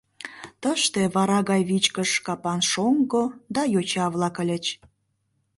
Тыште вара гай вичкыж капан шоҥго да йоча-влак ыльыч.